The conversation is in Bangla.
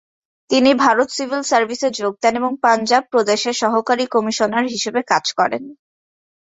তিনি ভারত সিভিল সার্ভিসে যোগ দেন এবং পাঞ্জাব প্রদেশে সহকারী কমিশনার হিসেবে কাজ করেন।